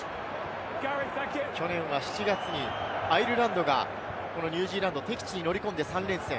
去年は７月にアイルランドがニュージーランドの敵地に乗り込んで３連戦。